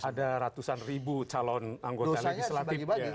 ada ratusan ribu calon anggota legislatif